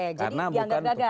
bukan dianggap gagal